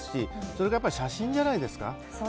それが写真じゃないですか。